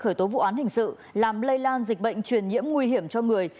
khởi tố vụ án hình sự làm lây lan dịch bệnh truyền nhiễm nguy hiểm cho người